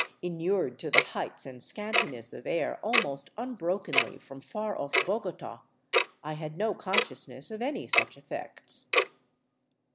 Inured to the heights and scantiness of air almost unbrokenly from far off Bogota, I had no consciousness of any such effects.